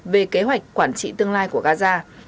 về kế hoạch quản trị tương lai của gaza